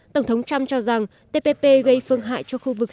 tổng thống trump cho rằng tppp gây phương hại cho khu vực